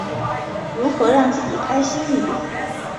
如何让自己开心一点？